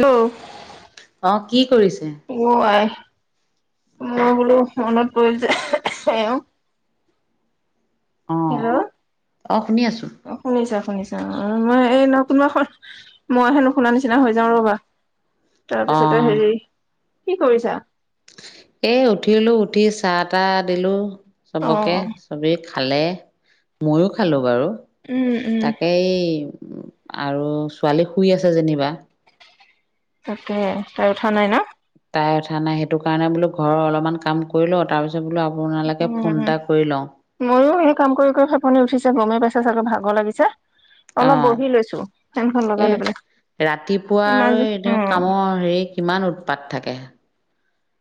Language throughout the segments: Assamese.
হেল্ল'! অ', কি কৰিছে? ওউ আই। মই বোলো মনত পৰিল যে এউ। অ হেল্ল'! অ', শুনি আছোঁ। অ', শুনিছা, শুনিছা মই এই ন কোনোবাসম মইহে নুশুনা নিচিনা হৈ যাওঁ ৰ'বা, অ তাৰপিছতে হেৰি কি কৰিছা? এ, উঠিলো উঠি চাহ তাহ দিলোঁ অ চবকে। চবেই খালে, ময়ো খালোঁ বাৰু উম উম তাকে এই আৰু ছোৱালী শুই আছে যেনিবা। তাকে তাই উঠা নাই ন! তাই উঠা নাই সেইটোকাৰণে বোলো ঘৰৰ অলপমান কাম কৰি লওঁ, তাৰপিছত বোলো আপোনালোকে উম ফোন উম এটা কৰি লওঁ। ময়ো সেই কাম কৰি ফেপনি উঠিছে, গমেই পাইছা চাগে ভাগৰ লাগিছে। অ অলপ বহি লৈছোঁ ফেনখন এ লগাই লৈ পেলাই, ইমান অ'। অ', ৰে কিমান উৎপাত থাকে।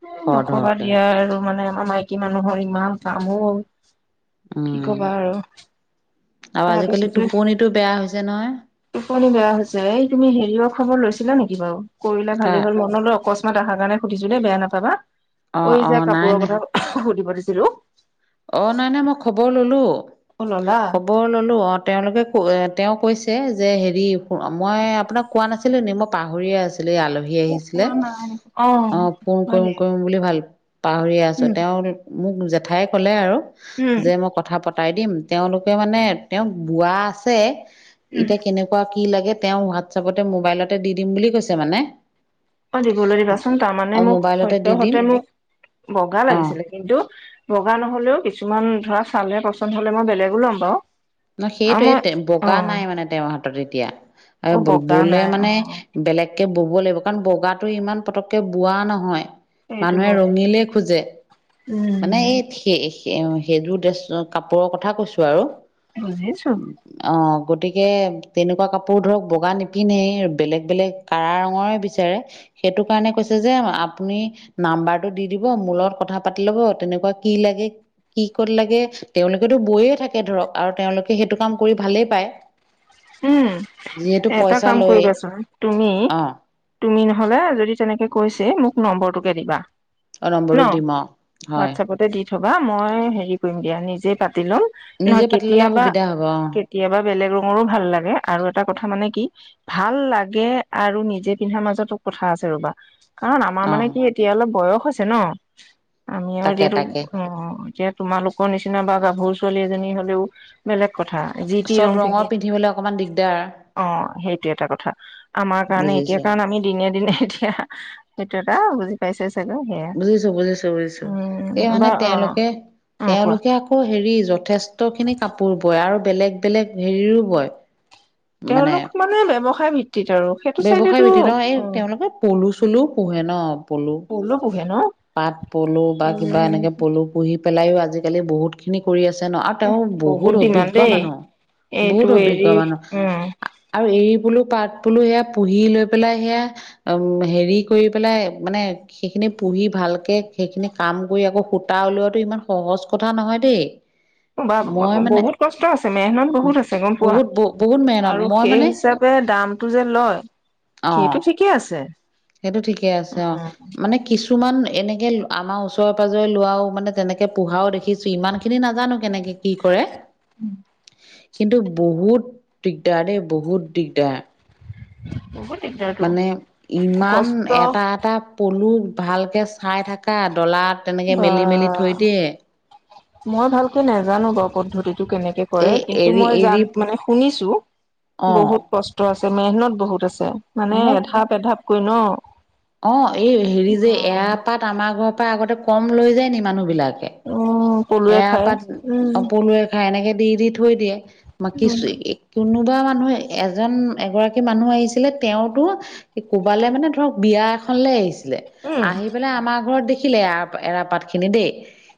এ, খৰ নকবা ধৰকে দিয়া আৰু মানে, আমাৰ মাইকী মানুহৰ ইমান কাম অ'। কি উম, কবা আৰু আৰু আজিকালি তাৰপিছতে টোপনিটো বেয়া হৈছে নহয়। টোপনি বেয়া হৈছে, এই তুমি হেৰিয়ৰ খবৰ লৈছিলা নেকি বাৰু কৰিলে কা ভালেই হ'ল মনলৈ অকস্মা মনত আহাৰ কাৰণে সুধিছো দেই বেয়া নাপাবা, অঁ ঐ অঁ যে নাই কাপোৰৰ কথা সুধিব দিছিলোঁ। অ', নাই, নাই মই খবৰ ল'লো। অ ললা খবৰ ল'লো তেওঁলোকে তেওঁ কৈছে যে হেৰি মই আপোনাক কোৱা নাছিলো নি মই পাহৰিয়ে আছিলোঁ এই আলহী আহিছিলে অ', ফোন হয় কৰিম, দে কৰিম বুলি ভাল পাহৰিয়ে আছোঁ, উম তেওঁ মোক জেঠাই ক'লে আৰু উম যে মই কথা প কতাই দিম। তেওঁলোকে মানে তেওঁৰ বোৱা আছে, উম। এতিয়া কেনেকুৱা কেনেকুৱা কি লাগে, তেওঁ হোৱাটছএপতে মোবাইলতে দি দিম বুলি কৈছে মানে। অ', দিবলৈ দিবাচোন, তাৰমানে অঁ মোক মোবাইলতে দি দিম সদ্যসতে মোক বগা অঁ লাগিছিল কিন্তু বগা নহ'লেও, কিছুমান ধৰা [unintelligible] পচন্দ হ'লে মই বেলেগো ল'ম বাৰু। ন', আৰু মই সেইটোৱে অ বগা নাই মানে তেওঁৰ হাতত এতিয়া অ আৰু বগা ব-ব'লে নাই অ মানে বেলেগকে ব'ব লাগিব কাৰণ বগাটো ইমান পতকে বোৱা নহয়। সেইটো মানুহে হয় ৰঙিলে খোজে, উম মানে এই সেই-সেইযোৰ ড্ৰেছ কাপোৰৰ কথা কৈছোঁ আৰু। বুজিছোঁ। অ', গতিকে, তেনেকুৱা কাপোৰ ধৰক বগা নিপিন্ধে এই বেলেগ, বেলেগ কাৰা ৰঙৰে বিচাৰে, সেইটো কাৰণে কৈছে যে, আপুনি নাম্বাৰটো দি দিব মোৰ লগত কথা পাতি ল'ব, তেনেকুৱা কি লাগে কি ক'ত লাগে তেওঁলোকেতো বয়ে থাকে ধৰক আৰু তেওঁলোকে সেইটো কাম কৰি ভালে পায়। উম, যিহেতু এটা পইচা কাম লয়েই কৰিবাচোন, তুমি অ তুমি নহ'লে যদি তেনেকে কৈছেই মোক নম্বৰটোকে দিবা। অ ন, নম্বৰটো দিম অ হয় হোৱাটছএপতে দি থবা মই হেৰি কৰিম দিয়া নিজে পাতি ল'ম। নিজে নহয় পাতি ললে সুবিধা হ'ব অ কেতিয়াবা-কেতিয়াবা বেলেগ ৰঙৰো ভাল লাগে। আৰু এটা কথা মানে কি ভাল লাগে আৰু নিজে পিন্ধাৰ মাজতো কথা আছে ৰ'বা। কাৰণ আমাৰ অ মানে কি, ‌ এতিয়া অলপ বয়স হৈছে ন, আমি আৰু তাকে এতিয়ো তাকে অ, এতিয়া তোমালোকৰ নিচিনা বা গাভৰু ছোৱালী এজনী হলেও বেলেগ কথা। যি টি চব ৰং ৰঙৰ থাকে পিন্ধিবলৈ অকমান দিগদাৰ। অ, সেইটো এটা কথা আমাৰ কাৰণে এতিয়া বুজিছো কাৰণ আমি দিনে, দিনে এতিয়া সেইটো এটা পেইচা চাগে সে- বুজিছো-বুজিছো-বুজিছো এই মানে অ অ কোৱা তেওঁলোকে-তেওঁলোকে আকৌ হেৰি যথেষ্ট খিনি কাপোৰ বয় আৰু বেলেগ-বেলেগ হেৰিৰো বয়। তেওঁলোক মানে ব্যৱসায় ভিত্তিত আৰু সেইটো ব্যৱসায় চাইডেতো ভিত্তিত এই অ'। তেওঁলোকে পলু চলুও পলো, পোহে ন। পাত পলু বা কিবা উম এনেকে পলু, পুহি পেলাইও আজিকালি বহুত খিনি কৰি আছে ন, আৰু তেওঁ বহুত ডিমাণ্ড অভিজ্ঞ দেই মানুহ। বহুত এইটো অভিজ্ঞ হেৰি মানুহ উম। আৰু এৰি বোলো পাত বোলো সেয়া পুহি লৈ পেলাই সেয়া উম, হেৰি কৰি পেলাই মানে সেইখিনি পুহি ভালকৈ সেইখিনি কাম কৰি আকৌ সূতা উলিওৱটো ইমান সহজ কথা নহয় দেই। [inaudible] বা মই মানে বহুত কষ্ট আছে মেহনত বহুত আছে গ'ম পোৱা বহুত বহুত মেহনত আৰু মই সেই মানে হিচাপ দামটো যে লয়। অ, সেইটো ঠিকেই আছে সেইটো ঠিকে আছে অ'। মানে কিছুমান এনেকে আমাৰ ওচৰে, পাঁজৰে লোৱাও মানে তেনেকে পোহাও দেখি ইমান খিনি নাজানো কেনেকে কি কৰে। উম। কিন্তু, বহুত দিগদাৰ দেই বহুত দিগদাৰ। বহ [unintelligible] ঠিক য মানে ইমান এটা-এটা পলু ভালকৈ চাই থাককা ডলাত তেনেকৈ মেলি-মেলি বা থৈ দিয়ে। মই ভালকে নাজানো বাৰু পদ্ধতিটো কেনেকে কৰে এই কিন্তু এৰি মই এৰি জান মানে শুনিছো অ বহুত। কষ্ট আছে মেহনত বহুত আছে মানে মোক এধাপ-এধাপকৈ ন অ, এই হেৰি যে এৰা পাত আমাৰ ঘৰৰ পৰা আগতে কম লৈ যায় নি মানুহ বিলাকে। উম, পলুৱে এৰা খায় পাত উম। অপলুৱে খাই এনেকে দি, দি থৈ দিয়ে ম কি কোনোবা মানুহে এজন এগৰাকী মানুহ আহিছিলে তেওঁতো কোবালে মানে ধৰক বিয়া এখন ল আহিছিলে। উম আহি পেলাই আমাৰ ঘৰত দেখিলে এ এৰাপাত খিনি দেই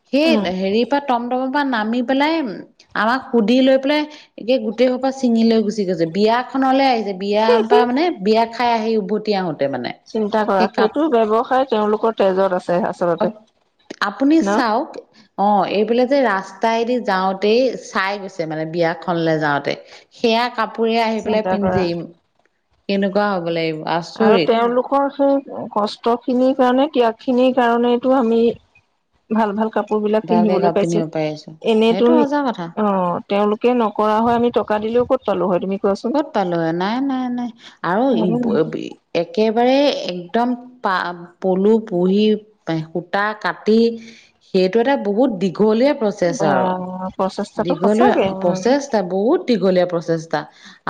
সেই উম হেৰিৰ পৰা টমটমৰ পৰা নামি পেলাই আমাক সুধি লৈ পেলাই একেই গোটেই খোলা ছিঙি লৈ গুচি গৈছে বিয়াখনলৈ আহিছে। বিয়া পৰা মানে বিয়া খাই আহি উভতি আহোতে মানে চিন্তা কৰা সেই সেইটো কাপ ব্যৱসায় তেওঁলোকৰ তেজত আছে আচলতে আপুনি ন। চাওক অ, এইফালে যে ৰাস্তাইদি যাওঁতেই চাই গৈছে মানে বিয়াখনলে যাওঁতে সেয়া কাপোৰে আহি পেলাই চিন্তা কৰা পিন্ধিম কেনেকুৱা হ'ব লাগিব। আৰু আচৰিত তেওঁলোকৰ সেই কষ্ট খিনিৰ কাৰণে ত্যাগ খিনিৰ কাৰণেতটো আমি ভাল, ভাল কাপোৰ বিলাক ভালকে পিন্ধিবলৈ কাপোৰ পাইছো পিন্ধিব পাৰিছো এনেতো সেইটো সঁচা কথা অ'। তেওঁলোকে নকৰা হয় আমি টকা দিলেও পলো হয় তুমি কোৱাচোন ক'ত পালো নাই, নাই, নাই আৰু একেবাৰে একদম প পলু পুহি সূতা কাটি সেইটো এটা বহুত দীঘলীয়া। প্ৰচেছ আৰু প্ৰচেষ্টাটো দীঘলীয়া সঁচাকে উম, প্ৰচেছটা বহুত দীঘলীয়া প্ৰচেছটা।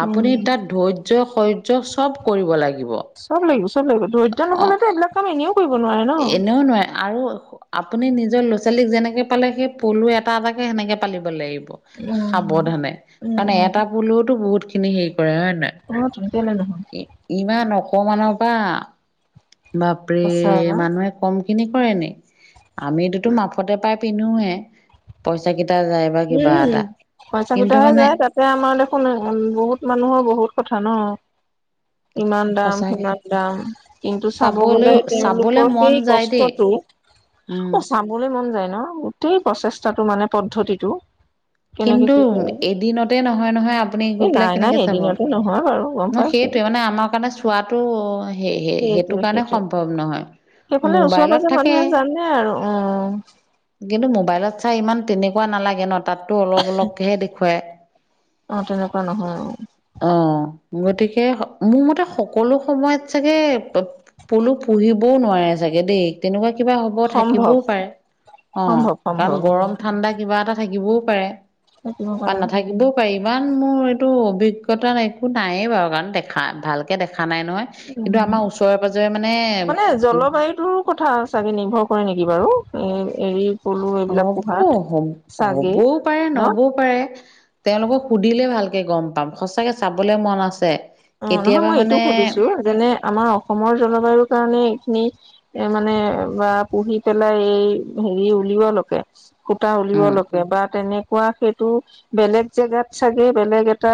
আপুনি উম, তাত ধৈৰ্য সহ্য চব কৰিব লাগিব। চব লাগিব, চব লাগিব ধৈৰ্য অ নহলেটো এনেকুৱা কাম এনেও কৰিব নোৱাৰে ন। এনেও নোৱাৰে আৰু। আপুনি নিজৰ ল'ৰা-ছোৱালীক যেনেকে পালে সেই পলু এটা এটাকে সেনেকে পালিব লাগিব। সাৱধানে কাৰণে এটা পুলেওতো বহুত খিনি হেৰি কৰে হয় নে নহয়। অ, ত-তোললে নহয়। ইমান অকমান নৰ বা বাপৰে। সঁচাই ন। মানুহে কম খিনি কৰে ন। আমিতোতো মাফতে পাই পিন্ধোৱে পইচা কেইটা যায়। বা কিবা এটা উমম, খৰচা কিন্তু ফুটা হৈ মানে যায় তাত। যে আমাৰ দেখোন বহুত মানুহৰ বহুত কথা ন। ইমান দাম সঁচাকে সিমান দাম কিন্তু চাব চাবলৈ গ'লে চাবলে তেওঁলোকৰ মন সেই যায় দেই কষ্টটো উম। লৈ মন যায় ন গোটেই প্ৰচেষ্টাটো মানে পদ্ধতিটো কেনেকে কিন্তু কি কৰে এদিনতে নহয়, নহয় আপুনি গৈ এই পেলাই নাই নাই কেনেকে চাব এদিনতে নহয় বাৰু গম ন সেই পাইছো মানে আমাৰ কাৰণে চোৱাটো সেইটো সেইটোৱে কাৰণে সেইটোৱে। সম্ভৱ নহয়। সেইফালে ওচৰ মোবাইলত পাজৰে থাকে মানুহে জানে আৰু অ'। কিন্তু মোবাইলত চাই ইমান তেনেকুৱা নালাগে ন তাতো অলপ অলপেহে দেখুৱাই। অ, তেনেকুৱা নহয়। অ, গতিকে মোৰ মতে সকলো সময়ত চাগে পলু, পুহিবও নোৱাৰে চাগে দেই। তেনেকুৱা কিবা হ'ব সম্ভৱ থাকিবও পাৰে অ, সম্ভৱ কাৰণ সম্ভৱ গৰম ঠাণ্ডা কিবা এটা থাকিবও। পাৰে থাকিব বা পাৰে নাথাকিবও ইমান মোৰ এইটো অভিজ্ঞতা একো নায়েই বাৰু কাৰণ দেখা ভালকে দেখা নাই নহয়। কিন্তু উম আমাৰ ওচৰে পাজৰে মানে কথা চাগে নিৰ্ভৰ কৰে নেকি বাৰু এ হেৰি হ'ব, হ হ'বও পাৰে ন নহবও পাৰে। তেওঁলোকক সুধিলে ভালকে গম পাম সঁচাকৈ চাবলৈ মন আছে। অ, নহয় কেতিয়াবা মই মানে এইটো সুধিছো যেনে আমাৰ অসমৰ জলবায়ুৰ কাৰণে এইখিনি এ, মানে বা পুহি পেলাই এই হেৰি উলওৱাালকে সূতা উলওৱা উম লোকে ৰ'বা তেনেকুৱা সেইটো বেলেগ জেগাত চাগৈ, বেলেগ এটা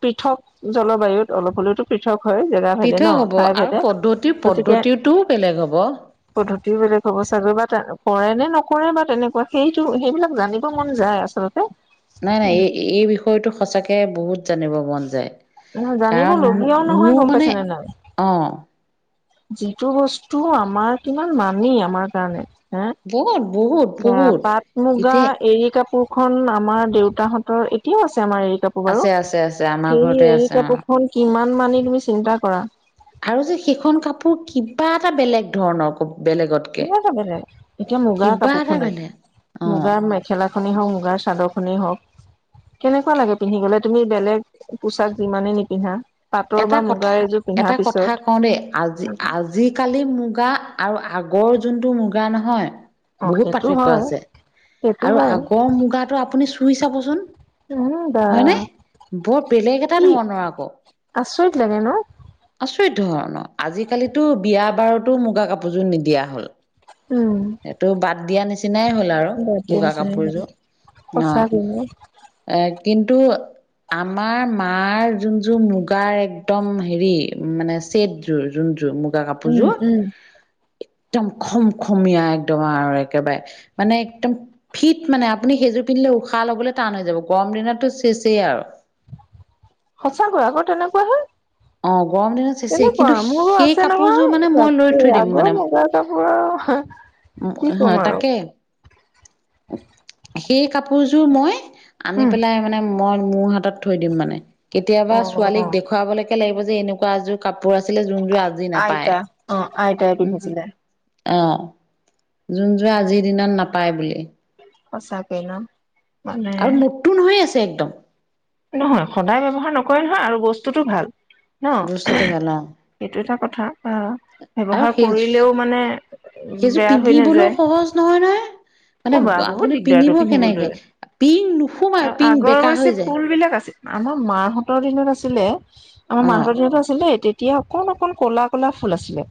পৃথক জলবায়ুত অলপ হ'লেওতো। পৃথক হয়। জেগা ভেদে ন পৃথক হ'ব ঠাই আৰু ভেদে পদ্ধতি গতিকে পদ্ধতিটোও বেলেগ হ'ব পদ্ধতি বেলেগ হ'ব চাগৈ, বা তে কৰে নে নকৰে বা তেনেকুৱা সেইটো সেইবিলাক জানিব মন যায় আচলতে। নাই, নাই, এই, এই বিষয়টো সঁচাকে বহুত জানিব মন যায়। জানিব কাৰণ লগীয়াও নহয় মোৰ গম মানে, পাইছে নে নাই অ'। যিটো বস্তু আমাৰ কিমান মানেই আমাৰ কাৰণে হা। বহুত, বহুত। বা বহুত পাট মুগা এতিয়া এৰী কাপোৰ খন আমাৰ দেউতাহতৰ এতিয়াও আছে আমাৰ এৰী কাপোৰ আছে বাৰু, আছে আছে আমাৰ ঘৰতে সেই এৰী আছে অ কাপোৰখন কিমান মানি তুমি চিন্তা কৰা। আৰু যে সেইখন কাপোৰ কিবা এটা বেলেগ ধৰণৰ বেলেগতকৈ। কিবা যাব যে এতিয়া মুগাৰ কাপোৰ এটা খনে, বেলেগ অ মুগাৰ ম [unintelligible] খেলাখনেই হওক, মুগাৰ চাদৰ খনেই হওক। কেনেকুৱা লাগে পিন্ধিবলৈ, তুমি বেলেগ পোছাক যিমানে নিপিন্ধা। পাটৰ এটা বা মুগাৰ কথা, এযোৰ পিন্ধাৰ এটা কথা পিছত কওঁ দেই আজি, আজি। আজ কালি মুগা আৰু আগৰ যোনটো মুগা নহয় অ বহুত সেইটো পাৰ্থক্য হয় আছে। সেইটো আৰু হয় আগৰ মুগাটো আপুনি চুই চাবচোন। উম বা হয়নে, বৰ বেলেগ এটা কি ধৰণৰ আকৌ। আচৰিত লাগে আচৰিত ধৰণৰ, আজিকালিতো বিয়া বাৰতো মুগা কাপোৰযোৰ নিদিয়া হ'ল। উম। এইটো বাদ দিয়া নিচিনাই হ'ল আৰু। মুগা কাপোৰযোৰ অ', সঁচাকৈ নে? এ, কিন্তু আমাৰ মাৰ যোনযোৰ মুগাৰ একদম হেৰি, মানে ছেটযোৰ যোনযোৰ মুগা উম মুগাকাপোৰযোৰ উম একদম খমখমীয়া একদম আৰু একেবাৰে মানে একদম ফিট মানে আপুনি সেইযোৰ পিন্ধিলে উশাহ ল'বলৈ টান হৈ যাব, গৰম দিনতো চেচেই আৰু। সঁচাকৈ আকৌ তেনেকুৱা হে। অ', গৰম দিনত চেচেই তেনেকুৱা কিন্তু মোৰো সেই আছে কাপোৰযোৰ নহয়, মানে মই লৈ থৈ আছেই দিম আগৰ মুগাৰ কাপোৰৰ আৰু কি ক'ম হয়, আৰু তাকে সেই কাপোৰযোৰ মই আনি উম পেলাই মানে মই মোৰ হাতত থৈ দিম মানে, কেতিয়াবা অ ছোৱালীক দেখুৱালে লাগিব যে এনেকুৱা যোৰ কাপোৰ আছিলে যোনযোৰ আজি নাপায় আইতা অ', আইতাই পিন্ধিছিলে। অ', যোন যোৰে আজিৰ দিনত নাপায় বুলি। সচাকৈ ন! মানে আৰু নতুন হৈ আছে একদম। নহয় সদায় ব্যৱহাৰ নকৰে নহয়, আৰু বস্তুটো ভাল। [inaudible] এইটো এটা কথা আ। আৰু ব্যৱহাৰ সেই কৰিলেও মানে সেইযোৰ বেয়া হৈ পিন্ধিবলৈও নাযায়। সহজ নহয় নহয় মানে অ', বা বহুত আপুনি দিগদাৰতটো পিন্ধিব কেনেকে পিন্ধিবলৈ, পিংক নুসুমাই পিংক আগৰ বেকা হৈছে হৈ যায় ফুল বিলাক আছিল। আমাৰ মাহঁতৰ দিনত আছিলে, আমাৰ অ মাহঁতৰ দিনতো আছিলে তেতিয়া তেতিয়া অকন অকণ ক'লা, ক'লা ফুল আছিলে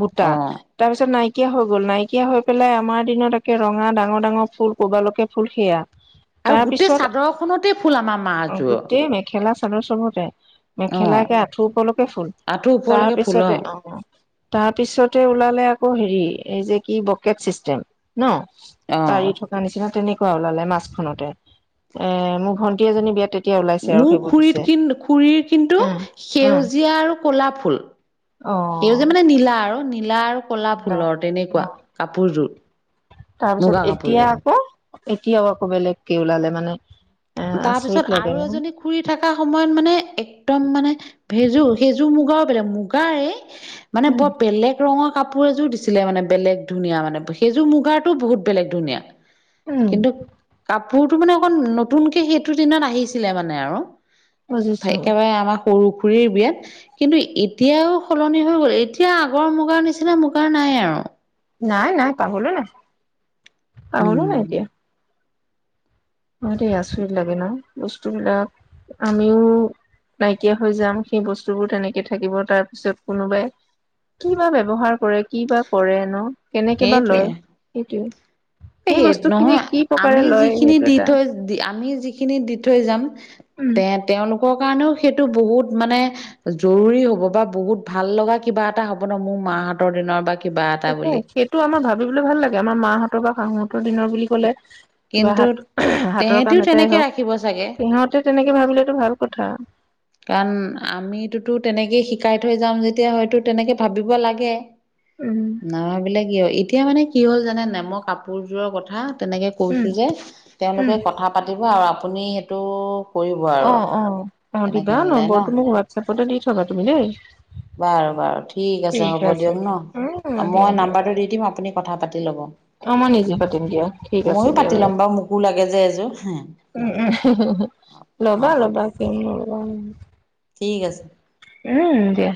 বুটা। অ তাৰপিছত নাইকিয়া হৈ গ'ল, নাইকিয়া হৈ পেলাই আমাৰ দিনত একে ৰঙা ডাঙৰ, ডাঙৰ ফুল ক'ৰবালৈকে ফুল সেয়া। আৰু গোটেই চাদৰ খনতেই ফুল আমাৰ অ', মাহযোৰ গোটেই মেখেলা চাদৰ চবতে। অ মেখেলা একে আঁঠু ওপৰলৈকে ফুল, আঁঠু ওপৰলৈকে ফুল তাৰপিছতে অ', অ'। তাৰপিছতে ওলালে আকৌ হেৰি, এই যে কি বকেট চিষ্টেম ন! অ'। পাৰি থকা নিচিনা তেনেকুৱা ওলালে মাজখনতে। এ, মোৰ ভন্টি এজনী বিয়াতে মোৰ খুৰীত কি খুৰীৰ কিন্তু উম উম সেউজীয়া আৰু ক'লা ফুল। অ সেউজীয়া মানে নীলা আৰু নীলা আৰু ক'লা ফুলৰ তেনেকুৱা কাপোৰযোৰ। মুগা তাৰপিছত এতিয়া কাপোৰযোৰ। আকৌ এতিয়াও আকৌ বেলেগকে ওলালে মানে। এ আচৰিত তাৰপিছত লাগে আৰু ন এজনী খুৰী থকা সময়ত মানে একদম মানে সেইযোৰ, সেইযোৰ মুগাও বেলেগ, মুগাৰে মানে উম বৰ বেলেগ ৰঙৰ কাপোৰ এযোৰ দিছিলে মানে বেলেগ ধুনীয়া, মানে সেইযোৰ মুগাৰটো বহুত বেলেগ ধুনীয়া। উম কিন্তু কাপোৰটো মানে অকণ নতুনকে সেইটো দিনত আহিছিলে মানে আৰু। বুজিছো একেবাৰে আমাৰ সৰুখুৰীৰ বিয়াত কিন্তু এতিয়াও সলনি হৈ গ'ল, এতিয়া আগৰ মুগাৰ নিচিনা মুগাৰ নাই আৰু। নাই নাই পাবলে নাই, পাবলৈ নাই উম এতিয়া। কি আচৰিত লাগে ন, বস্তুবিলাক আমিও নাইকিয়া হৈ যাম, সেই বস্তুবোৰ তেনেকে থাকিব তাৰ পিছত কোনোবাই কি বা ব্যৱহাৰ কৰে, কি বা কৰে ন, কেনেকে বা লয়, সেইটোৱেই। এ, হে নহয় আমি লয় যিখিনি সেইটো দি এটা থৈ আমি যিখিনি দি থৈ যাম উম তে তেওঁলোকৰ কাৰণেও সেইটো বহুত মানে জৰুৰী হ'ব বা বহুত ভাললগা কিবা এটা হ'ব ন মোৰ মাহঁতৰ দিনৰ বা কিবা এটা বুলি। তো আমাৰ ভাবিব ভাল লাগে আমাৰ মাহঁতৰ বা শাহহঁতৰ দিনৰ বুলি কলে কিবা কিন্তু হাত, হাতৰ তেহেঁতিও কাম এটাই তেনেকে হওক ৰাখিব চাগে সিহঁতে তেনেকে ভাবিলটো ভাল কথা। কাৰণ আমিতোতো তেনেকেই শিকাই থৈ যাম যেতিয়া হয়তো তেনেকৈ ভাবিব লাগে। উম। নাভাবিলে কি হয় এতিয়া মানে কি হ'ল জানে নেমৰ কাপোৰযোৰৰ কথা তেনেকে উম কৈছোঁ যে উম তেওঁলোকে কথা পাতিব আৰু আপুনি সেইটো কৰিব আৰু অ', অ', অ', কেনেকে দিবা মিলাই ন নম্বৰটো মোক হোৱাটছএপতে দি থবা তুমি দেই বাৰু বাৰু ঠিক আছে হ'ব দিয়ক উম ন দিয়া মই দিয়া নাম্বাৰটো দি দিম আপুনি কথা পাতি ল'ব। অ, মই নিজে পাতিম দিয়া ঠিক আছে ময়ো দিয়া পাতি বাৰু। ল'ম মোকো [unintelligible] ল'বা, হ'ব ল'বা দিয়ক কো লোৱা ন। ঠিক আছে। উম, দিয়া।